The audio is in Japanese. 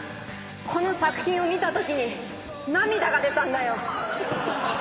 この作品を見たときに涙が出たんだよ。